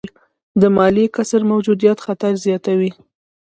د مالي کسر موجودیت خطر زیاتوي.